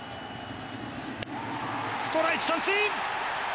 ストライク、三振！